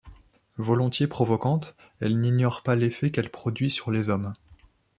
Volontiers provocante, elle n'ignore pas l'effet qu'elle produit sur les hommes.